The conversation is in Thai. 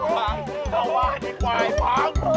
มาหวานอีกกวายพัง